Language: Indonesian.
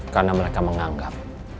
karena mereka menganggap